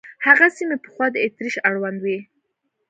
هغه سیمې پخوا د اتریش اړوند وې.